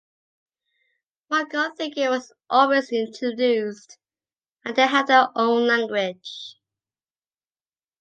Mongol” thinking was always introduced and they have their own language.